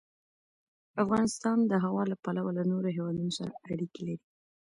افغانستان د هوا له پلوه له نورو هېوادونو سره اړیکې لري.